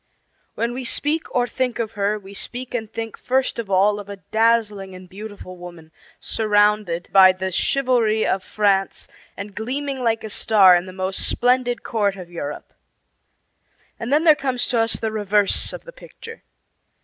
When we speak or think of her we speak and think first of all of a dazzling and beautiful woman surrounded by the chivalry of France and gleaming like a star in the most splendid court of Europe. And then there comes to us the reverse of the picture.